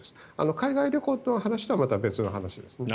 海外旅行の話とはまた別の話です。